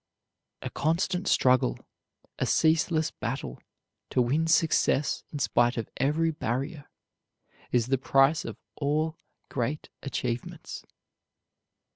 A constant struggle, a ceaseless battle to win success in spite of every barrier, is the price of all great achievements.